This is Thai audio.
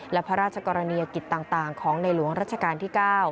และพระราชกรณียกิจต่างของในหลวงรัชกาลที่๙